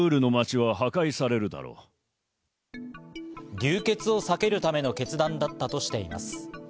流血を避けるための決断だったとしています。